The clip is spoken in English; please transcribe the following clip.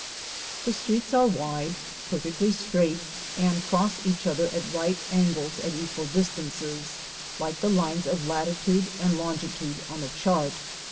The streets are wide, perfectly straight, and cross each other at right angles at equal distances, like the lines of latitude and longitude on a chart.